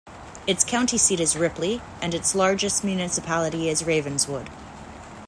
Its county seat is Ripley, and its largest municipality is Ravenswood.